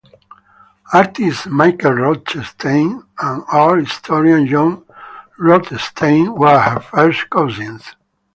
Artist Michael Rothenstein and art historian John Rothenstein were her first cousins.